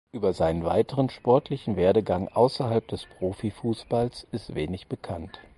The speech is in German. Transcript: Über seinen weiteren sportlichen Werdegang außerhalb des Profifußballs ist wenig bekannt.